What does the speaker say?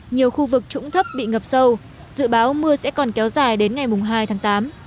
nhiều khu vực trũng thấp bị ngập sâu dự báo mưa sẽ còn kéo dài đến ngày hai tháng tám